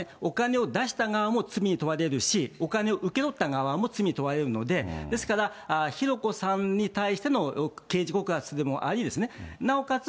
この罪は、お金を出した側も罪に問われるし、お金を受け取った側も罪に問われるので、ですから、浩子さんに対しての刑事告発でもあり、なおかつ